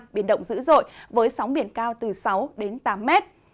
biển động dữ dội với sóng biển cao từ sáu tám m